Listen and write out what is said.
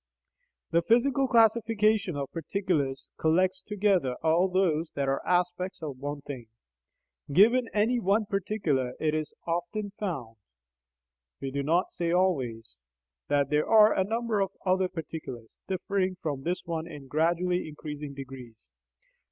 The physical classification of particulars collects together all those that are aspects of one "thing." Given any one particular, it is found often (we do not say always) that there are a number of other particulars differing from this one in gradually increasing degrees.